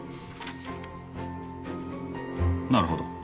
なるほど。